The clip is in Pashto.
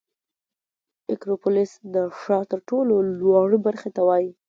اکروپولیس د ښار تر ټولو لوړې برخې ته وایي.